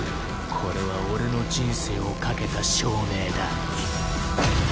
これは俺の人生を懸けた証明だ。